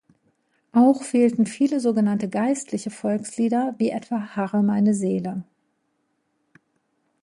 Auch fehlten viele sogenannte geistliche Volkslieder wie etwa "Harre meine Seele".